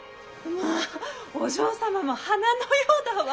まぁお嬢様も華のようだわ。